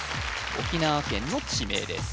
沖縄県の地名ですＨｅｙ！